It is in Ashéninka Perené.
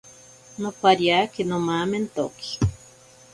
Nopariake nomamentoki.